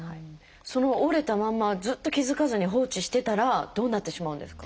その折れたまんまずっと気付かずに放置してたらどうなってしまうんですか？